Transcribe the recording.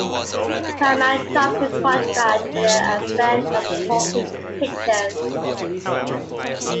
Paramount dropped her contract with the advent of talking pictures.